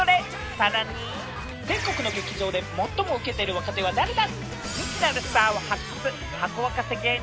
さらに、全国の劇場で最もウケている若手は誰だ？